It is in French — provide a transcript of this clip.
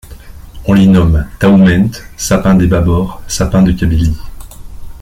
On l'y nomme Taoument, Sapin des Babor, Sapin de Kabylie,